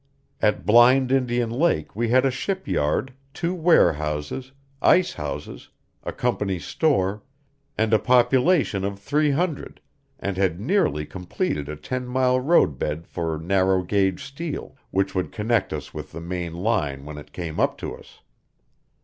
At Blind Indian Lake we had a shipyard, two warehouses, ice houses, a company store, and a population of three hundred, and had nearly completed a ten mile roadbed for narrow gauge steel, which would connect us with the main line when it came up to us.